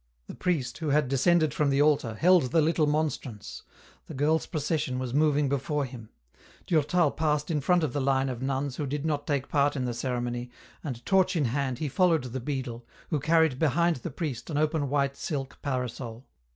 The priest, who had descended from the altar, held the little monstrance ; the girls' procession was moving before hira. Durtal passed in front of the line of EN ROUTE. 51 nuns who did not take part in the ceremony, and torch in hand he followed the beadle, who earned behind the priest an open white silk parasol.